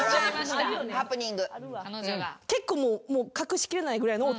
結構もう隠しきれないぐらいの音です。